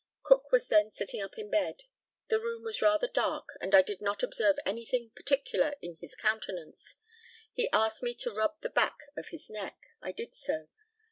Cook was then sitting up in bed. The room was rather dark, and I did not observe anything particular in his countenance. He asked me to rub the back of his neck. I did so.